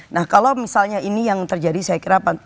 nah kalau misalnya ini yang terjadi saya kira